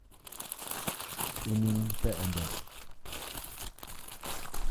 Inning beendet.